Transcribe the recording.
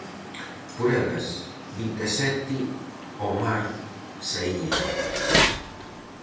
Por elas vinte e sete ó mar saían.